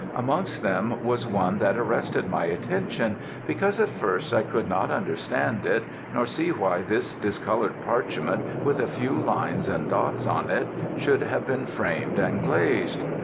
Amongst them was one that arrested my attention, because at first I could not understand it, nor see why this discoloured parchment, with a few lines and dots on it, should have been framed and glazed.